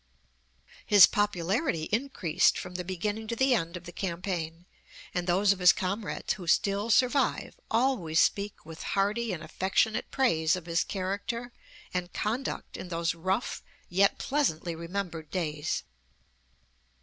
His popularity increased from the beginning to the end of the campaign, and those of his comrades who still survive always speak with hearty and affectionate praise of his character and conduct in those rough yet pleasantly remembered days.